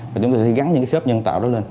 và chúng tôi sẽ gắn những cái khớp nhân tạo đó lên